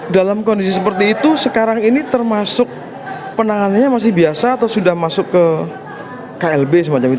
dalam kondisi seperti itu sekarang ini termasuk penanganannya masih biasa atau sudah masuk ke klb semacam itu